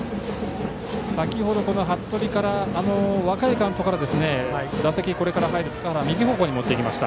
先程、服部からは若いカウントから打席にこれから入る塚原右方向に持っていきました。